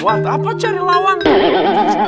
wah apa cari lawan tuh